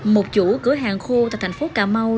một chủ cửa hàng khô tại thành phố cà mau